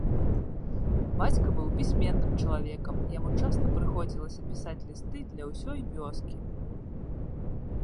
Бацька быў пісьменным чалавекам, яму часта прыходзілася пісаць лісты для ўсёй вёскі.